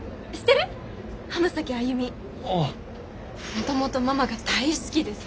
もともとママが大好きでさ